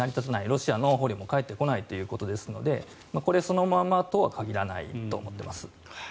ロシアの捕虜も帰ってこないということですのでこれそのままとは限らないと思っています。